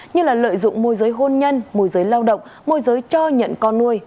như lợi dụng môi giới hôn nhân môi giới lao động môi giới cho nhận con nuôi